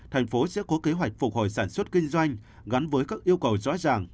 thành phố sẽ có kế hoạch phục hồi sản xuất kinh doanh gắn với các yêu cầu rõ ràng